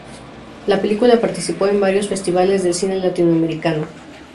La película participó en varios festivales del cine latinoamericano.